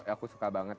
aku suka banget